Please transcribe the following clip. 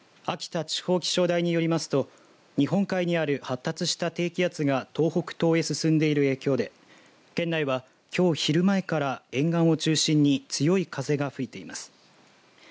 秋田地方気象台によりますと日本海にある発達した低気圧が東北東へ進んでいる影響で県内は、きょう昼前から沿岸を中心に強い風が吹いています。